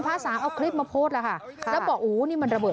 มาไอ้ตีด้วย